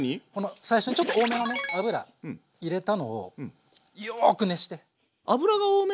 最初にちょっと多めのね油入れたのをよく熱して。